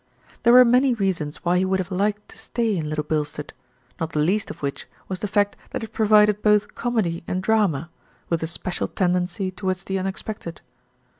There were many reasons why he would have liked to stay in Little Bilstead, not the least of which was the fact that it provided both comedy and drama, with a special tendency towards the unexpected.